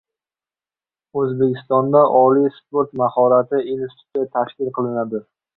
O‘zbekistonda Oliy sport mahorati instituti tashkil qilinadi